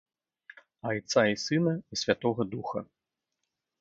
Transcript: - Айца i сына i святога духа!..